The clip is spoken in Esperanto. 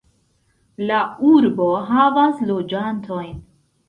La urbo havas loĝantojn.